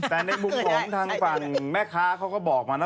แต่ในมุมของทางฝั่งแม่ค้าเขาก็บอกมานะ